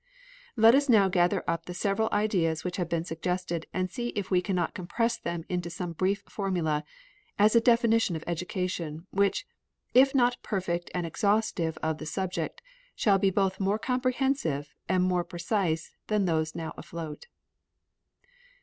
Let us now gather up the several ideas which have been suggested, and see if we cannot compress them into some brief formula, as a definition of education, which, if not perfect and exhaustive of the subject, shall be both more comprehensive and more precise than those now afloat.